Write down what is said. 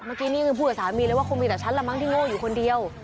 เมื่อกี้นี่คือพูดกับสามีเลยว่าคงมีแต่ฉันละมั้งที่โง่อยู่คนเดียว